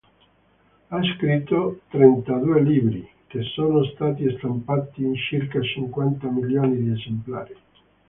Ha scritto trentadue libri, che sono stati stampati in circa cinquanta milioni di esemplari.